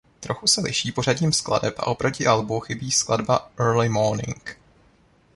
Trochu se liší pořadím skladeb a oproti albu chybí skladba "Early Morning".